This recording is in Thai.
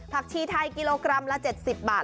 ผักชีไทยกิโลกรัมละ๗๐บาท